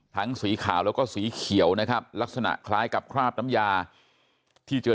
สีขาวแล้วก็สีเขียวนะครับลักษณะคล้ายกับคราบน้ำยาที่เจอ